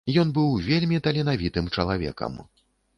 Ён быў вельмі таленавітым чалавекам.